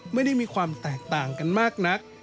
ไม่ได้มีความแตกต่างกันมากนัก